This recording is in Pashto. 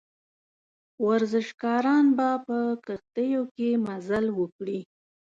ورزشکاران به په کښتیو کې مزل وکړي.